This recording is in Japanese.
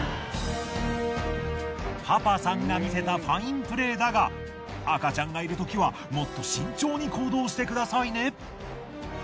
パパさんが見せたファインプレーだが赤ちゃんがいるときはもっと慎重に行動してくださいね。